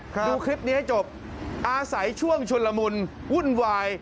ดูคลิปนี้ให้จบอาศัยช่วงชุนละมุนวุ่นวาย